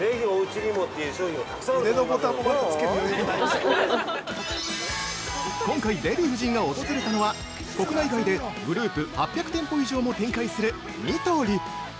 ◆今回、デヴィ夫人が訪れたのは国内外でグループ８００店舗以上も展開するニトリ。